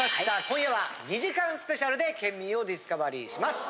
今夜は２時間スペシャルで県民をディスカバリーします。